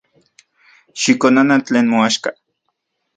Xikonana tlen moaxka.